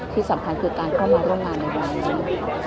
ที่สำคัญคือการเข้ามาร่วมงานในวันนี้